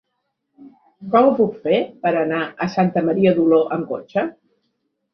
Com ho puc fer per anar a Santa Maria d'Oló amb cotxe?